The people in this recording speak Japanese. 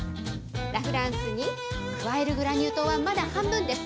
ラ・フランスに加えるグラニュー糖はまだ半分です。